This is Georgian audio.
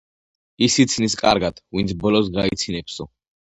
„ის იცინის კარგად, ვინც ბოლოს გაიცინებსო.“